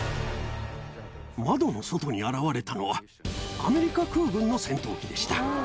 窓の外に現れたのは、アメリカ空軍の戦闘機でした。